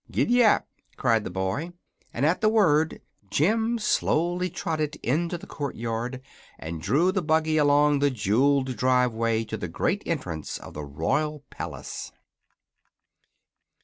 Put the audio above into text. "Gid dap!" cried the boy, and at the word Jim slowly trotted into the courtyard and drew the buggy along the jewelled driveway to the great entrance of the royal palace.